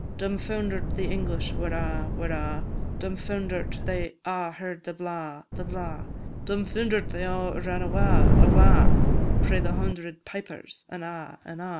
Dumfounder'd the English were a', were a', Dumfounder'd they a' heard the blaw, the blaw, Dumfounder'd they a' ran awa', awa', Frae the hundred pipers, an' a', an' a'.